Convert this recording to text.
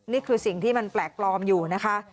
นี่คือสิ่งที่มันแปลกปลอมอยู่นะคะ